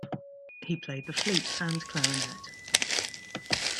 He played the flute and clarinet.